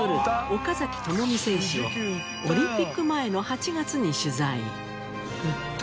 岡崎朋美選手をオリンピック前の８月に取材。